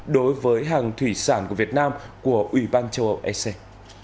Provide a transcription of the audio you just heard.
đối với hàng thủy sản của việt nam của ủy ban châu âu ec